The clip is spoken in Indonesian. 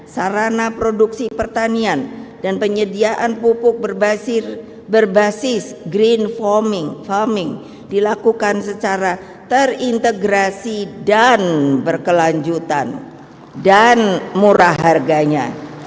sarana produksi pertanian dan penyediaan pupuk berbasis green farming farming dilakukan secara terintegrasi dan berkelanjutan dan murah harganya